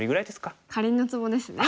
かりんのツボですね。